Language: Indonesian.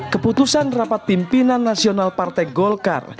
keputusan rapat pimpinan nasional partai golkar